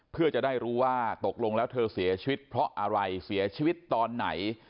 เพื่อจะได้รู้ว่าตกลงแล้วเธอเสียชีวิตเพราะอะไรเสียชีวิตตอนไหน